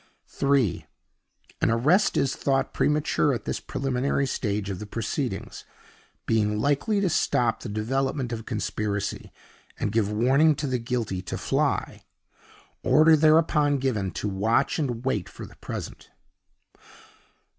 (3.) An arrest is thought premature at this preliminary stage of the proceedings, being likely to stop the development of conspiracy, and give warning to the guilty to fly. Order thereupon given to watch and wait for the present.